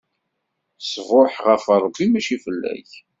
Ṣṣbuḥ ɣef Rebbi, mačči fell-ak!